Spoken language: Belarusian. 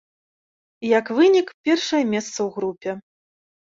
Як вынік, першае месца ў групе.